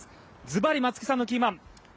ズバリ、松木さんのキーマン。